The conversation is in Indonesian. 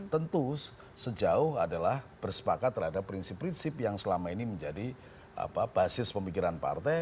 tentu sejauh adalah bersepakat terhadap prinsip prinsip yang selama ini menjadi basis pemikiran partai